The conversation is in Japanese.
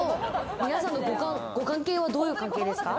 皆さんのご関係は、どういうご関係ですか？